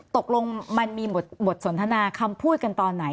ตกลงมันมีบทสนทนาคำพูดกันตอนไหน